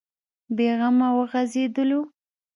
بې غمه وغځېدلو.